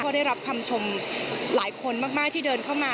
ได้รับคำชมหลายคนมากที่เดินเข้ามา